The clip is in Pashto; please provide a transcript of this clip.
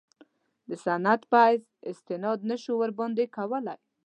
د سند په حیث استناد نه شو ورباندې کولای.